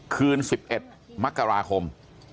คืน๑๑มกราคม